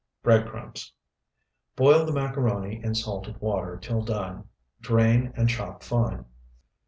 Bread crumbs. Boil the macaroni in salted water till done, drain, and chop fine.